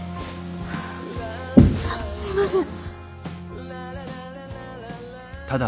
・すいません！